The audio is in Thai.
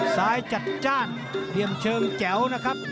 ซ้ายจัดจ้านเดียมเชิงแจ๋วนะครับ